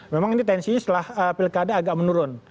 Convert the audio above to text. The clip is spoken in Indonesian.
memang ini tensinya setelah pilkada agak menurun